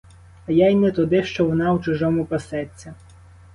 А я й не туди, що вона у чужому пасеться.